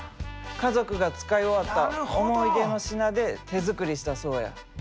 家族が使い終わった思い出の品で手作りしたそうや。